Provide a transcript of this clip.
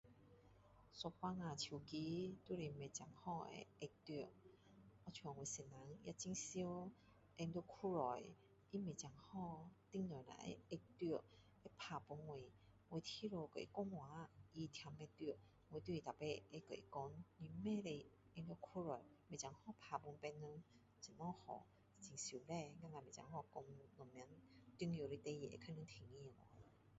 有时候手机都是不小心会按到就像我先生会很常放在裤袋他不小心动一下会中会打给我我一直跟他讲话他听不到我都是每次会跟他讲你不可以放在裤带不小心打给别人怎样 ho 很羞耻等下不小心讲什么重要的事情会被人听见去